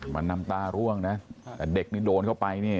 มันน้ำตาร่วงนะแต่เด็กนี่โดนเข้าไปนี่